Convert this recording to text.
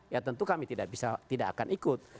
ya tentu kami tidak akan ikut